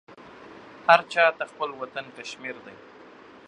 هر چاته خپل وطن کشمیر دی